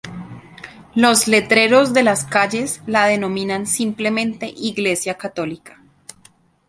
Los letreros de las calles la denominan simplemente "Iglesia Católica.